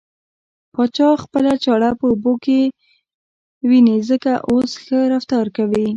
پاچا خپله چاړه په اوبو کې وينې ځکه اوس ښه رفتار کوي .